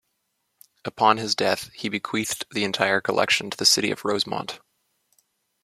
Upon his death, he bequeathed the entire collection to the City of Rosemont.